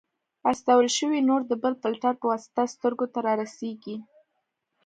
استول شوی نور د بل فلټر په واسطه سترګو ته رارسیږي.